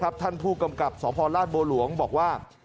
เพราะท่านผู้กำกับสรบหลวงบอกว่า